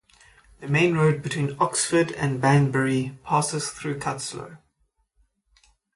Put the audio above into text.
The main road between Oxford and Banbury passes through Cutteslowe.